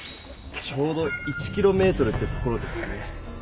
ちょうど１キロメートルってところですね。